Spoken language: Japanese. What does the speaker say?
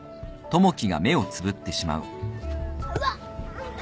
うわっ。